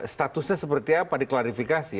statusnya seperti apa diklarifikasi